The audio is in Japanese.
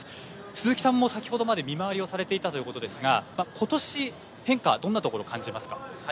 鈴木さんも先ほどまで見回りをされていたということですが、今年、変化はどんなところ感じますか？